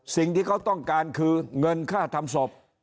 สิ่งที่เขาต้องการคือเงินค่าทำศพ